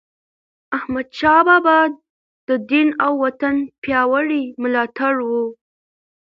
احمدشاه بابا د دین او وطن پیاوړی ملاتړی و.